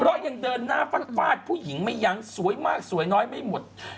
เพราะยังเดินหน้าฟาดฟาดผู้หญิงไม่ยั้งสวยมากสวยน้อยไม่หมด